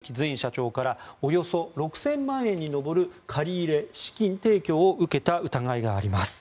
日本風力開発の塚脇正幸前社長からおよそ６０００万円に上る借り入れ資金提供を受けた疑いがあります。